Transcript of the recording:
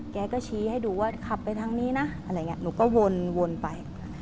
แกก็ชี้ให้ดูว่าขับไปทางนี้นะอะไรอย่างนี้หนูก็วนไป